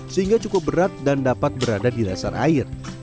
sehingga cukup berat dan dapat berada di dasar air